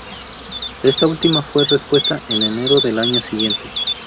Esta última fue repuesta en enero del año siguiente.